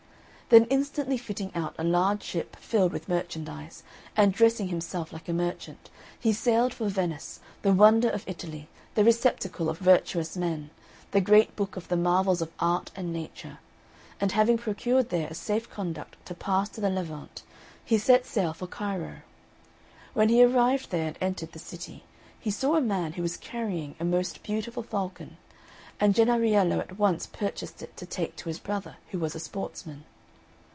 Then instantly fitting out a large ship, filled with merchandise, and dressing himself like a merchant, he sailed for Venice, the wonder of Italy, the receptacle of virtuous men, the great book of the marvels of art and nature; and having procured there a safe conduct to pass to the Levant, he set sail for Cairo. When he arrived there and entered the city, he saw a man who was carrying a most beautiful falcon, and Jennariello at once purchased it to take to his brother, who was a sportsman.